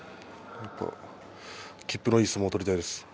きっぷのいい相撲を取りたいです。